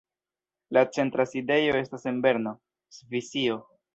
La centra sidejo estas en Berno, Svisio.